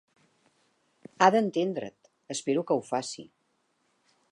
Ha d'entendre't. Espero que ho faci.